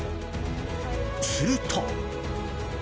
すると。